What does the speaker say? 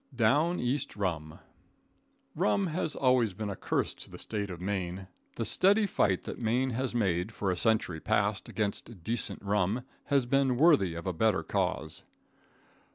Down East Rum. Rum has always been a curse to the State of Maine. The steady fight that Maine has made, for a century past, against decent rum, has been worthy of a better cause.